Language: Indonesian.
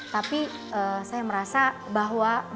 tapi saya merasa bahwa mereka ini ada kekuatan